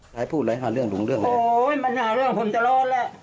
ไหนพูดอะไรอาจารย์เรื่องลูกเรื่องอะไรโอ๊ยเสร็จผมตลอดแล้ว